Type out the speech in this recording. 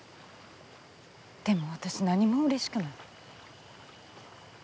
でも私何もうれしくない。